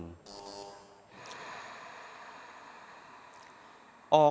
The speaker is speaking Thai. เก้าเก้าหนึ่งหนึ่งห้าหนึ่ง